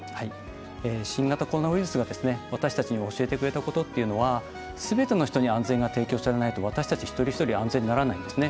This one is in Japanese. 新型コロナウイルスが私たちに教えてくれたことというのは、すべての人に安全が提供されないと私たち一人一人安全にならないんですね。